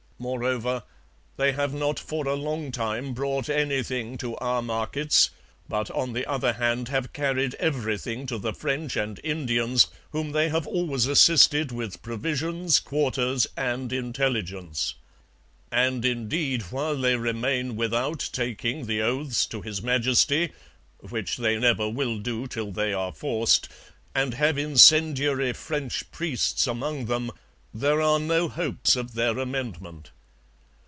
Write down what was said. Moreover, 'They have not for a long time brought anything to our markets, but on the other hand have carried everything to the French and Indians whom they have always assisted with provisions, quarters, and intelligence. And indeed while they remain without taking the oaths to His Majesty (which they never will do till they are forced) and have incendiary French priests among them there are no hopes of their amendment.